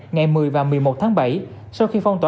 ngày một mươi và một mươi một tháng bảy sau khi phong tỏa